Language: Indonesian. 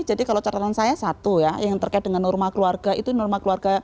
jadi kalau catatan saya satu ya yang terkait dengan norma keluarga itu norma keluarga